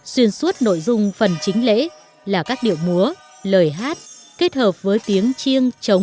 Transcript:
xuyên suốt nội dung phần chính lễ là các điệu múa lời hát kết hợp với tiếng chiêng trống rộn ràng